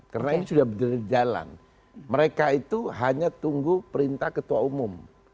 karena ini sudah berjalan mereka itu hanya tunggu perintah ketua umum